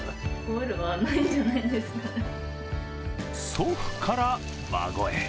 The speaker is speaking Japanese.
祖父から孫へ。